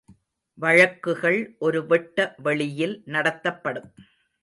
வழக்குகள் ஒரு வெட்ட வெளியில் நடத்தப்படும்.